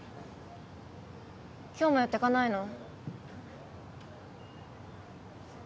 今日も寄ってかないの？